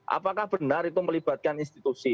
apakah benar itu melibatkan institusi